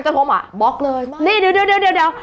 โทรมาบล็อกเลยนี่เดี๋ยวเดี๋ยวเดี๋ยว